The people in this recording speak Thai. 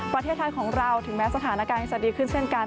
ประเทศไทยของเราถึงแม้สถานการณ์จะดีขึ้นเช่นกัน